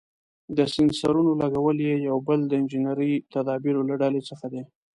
د سېنسرونو لګول یې یو بل د انجنیري تدابیرو له ډلې څخه دی.